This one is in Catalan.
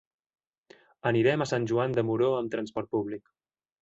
Anirem a Sant Joan de Moró amb transport públic.